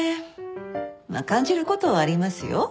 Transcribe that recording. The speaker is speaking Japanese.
まっ感じることはありますよ。